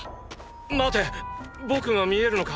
待て僕が見えるのか？